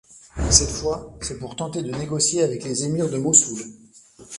Cette fois c'est pour tenter de négocier avec les émirs de Mossoul.